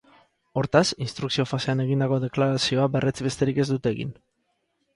Hortaz, instrukzio-fasean egindako deklarazioa berretsi besterik ez dute egin.